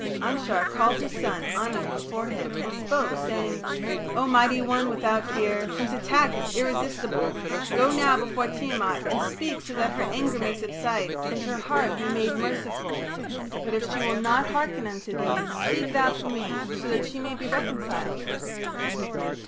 " Anshar called his son, Anu, before him, and spoke, saying: "O mighty one without fear, whose attack is irresistible, go now before Tiamat and speak so that her anger may subside and her heart be made merciful. But if she will not hearken unto thee, speak thou for me, so that she may be reconciled."